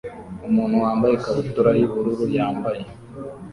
Umuntu wambaye ikabutura yubururu yambaye